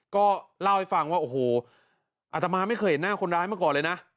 ก็เล่าให้ฟังว่าโอ้โหอาตมาไม่เคยเห็นหน้าคนร้ายมาก่อนเลยนะ